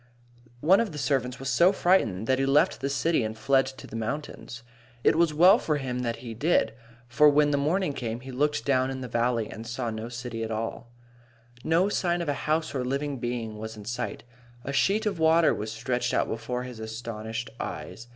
One of the servants was so frightened that he left the city and fled to the mountains. It was well for him that he did so, for when the morning came, he looked down into the valley and saw no city at all. Not a sign of a house or living being was in sight. A sheet of water was stretched out before his astonished eyes.